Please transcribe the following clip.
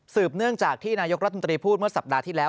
เนื่องจากที่นายกรัฐมนตรีพูดเมื่อสัปดาห์ที่แล้ว